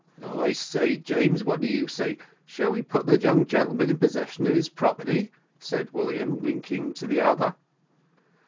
"I say, James, what do you say, shall we put the young gentleman in possession of his property?" said William, winking to the other.